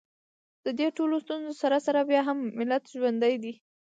د دې ټولو ستونزو سره سره بیا هم ملت ژوندی دی